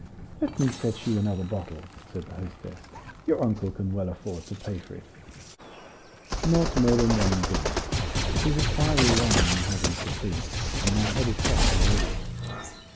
"Let me fetch you another bottle," said the hostess; "your uncle can well afford to pay for it." "Not more than one glass; it is a fiery wine you have in Capri, and my head is hot already."